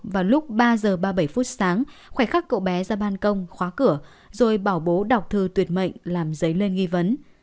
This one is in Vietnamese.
vào lúc ba giờ ba mươi bảy phút sáng khoảnh khắc cậu bé ra ban công khóa cửa rồi bảo bố đọc thư tuyệt mệnh làm giấy lên nghi vấn